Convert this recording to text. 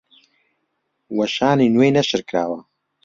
وەشانی نوێی نەشر کراوە